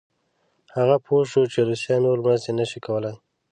هغه پوه شو چې روسیه نور مرستې نه شي کولای.